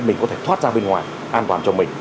mình có thể thoát ra bên ngoài an toàn cho mình